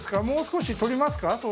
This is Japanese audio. もう少し撮りますか？